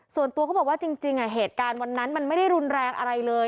ส่วนตัวเขาบอกว่าจริงเหตุการณ์วันนั้นมันไม่ได้รุนแรงอะไรเลย